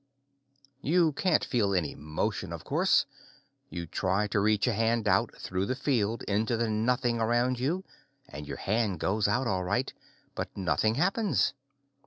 You can't feel any motion, of course. You try to reach a hand out through the field into the nothing around you and your hand goes out, all right, but nothing happens.